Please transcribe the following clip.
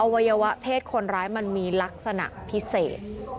วัยวะเพศคนร้ายมันมีลักษณะพิเศษ